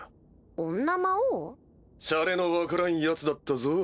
シャレの分からんヤツだったぞ。